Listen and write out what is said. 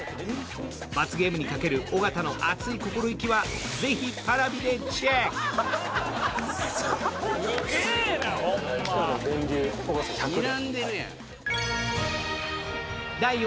罰ゲームにかける尾形の熱い心意気はぜひＰａｒａｖｉでチェック。